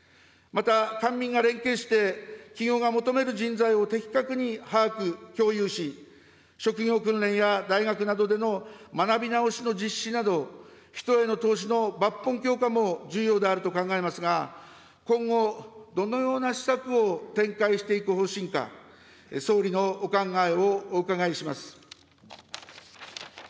また官民が連携して、企業が求める人材を的確に把握・共有し、職業訓練や大学などでの学び直しの実施など、人への投資の抜本強化も重要であると考えますが、今後、どのような施策を展開していく方針か、総理のお考えをお伺いします。